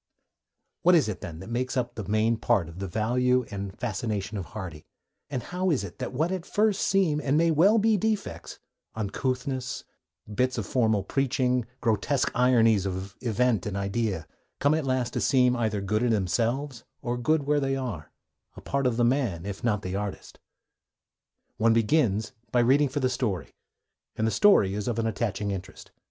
What is it, then, that makes up the main part of the value and fascination of Hardy, and how is it that what at first seem, and may well be, defects, uncouthnesses, bits of formal preaching, grotesque ironies of event and idea, come at last to seem either good in themselves or good where they are, a part of the man if not of the artist? One begins by reading for the story, and the story is of an attaching interest.